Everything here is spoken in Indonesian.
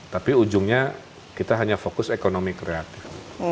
tapi ujungnya kita hanya fokus ekonomi kreatif